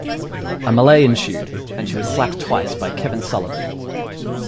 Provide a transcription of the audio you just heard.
A melee ensued and she was slapped twice by Kevin Sullivan.